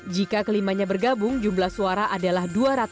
jika kelimanya bergabung jumlah suara adalah dua ratus delapan puluh dua